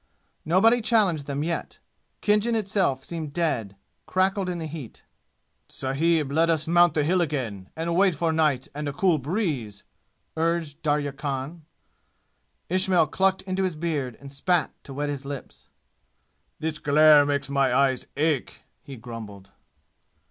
Nobody challenged them yet. Khinjan itself seemed dead, crackled in the heat. "Sahib, let us mount the hill again and wait for night and a cool breeze!" urged Darya Khan. Ismail clucked into his beard and spat to wet his lips. "This glare makes my eyes ache!" he grumbled.